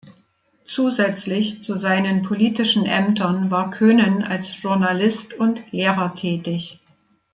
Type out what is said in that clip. Zusätzlich zu seinen politischen Ämtern war Koenen als Journalist und Lehrer tätig.